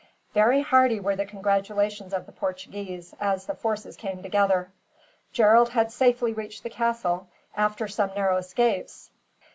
Very hearty were the congratulations of the Portuguese, as the forces came together. Gerald had safely reached the castle, after some narrow escapes.